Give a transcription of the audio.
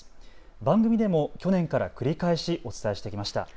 番組でも去年から繰り返しお伝えしてきました。